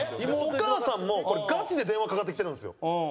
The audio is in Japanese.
お母さんもこれガチで電話かかってきてるんですよ。